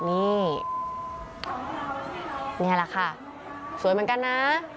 นี่นี่แหละค่ะสวยเหมือนกันนะ